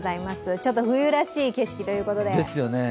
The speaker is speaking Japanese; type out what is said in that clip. ちょっと冬らしい景色ということで。